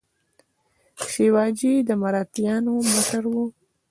شیواجي د مراتیانو مشر و.